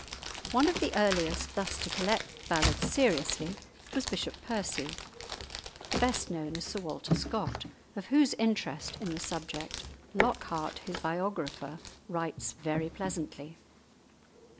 One of the earliest thus to collect ballads seriously was Bishop Percy; the best known is Sir Walter Scott, of whose interest in the subject Lockhart, his biographer, writes very pleasantly.